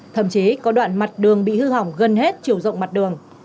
thậm chí có đoạn mặt đường bị hư hỏng gần hết chiều rộng mặt đường